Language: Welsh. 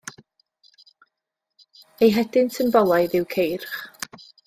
Ei hedyn symbolaidd yw ceirch.